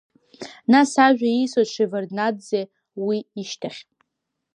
Нас ажәа исҭоит Шеварднаӡе, уи ишьҭахь…